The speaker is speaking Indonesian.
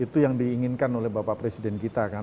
itu yang diinginkan oleh bapak presiden kita kan